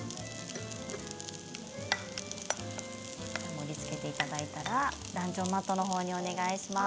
盛りつけていただいたらランチョンマットの方にお願いします。